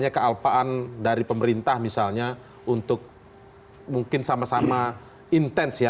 kealpaan dari pemerintah misalnya untuk mungkin sama sama intens ya